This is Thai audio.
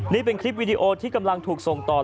นี่เป็นคลิปวีดีโอที่กำลังถูกส่งต่อ